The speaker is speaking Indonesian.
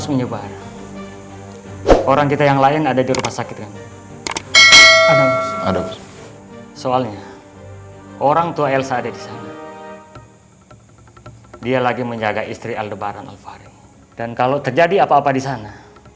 sama hal yang terlihat gak baik oleh mata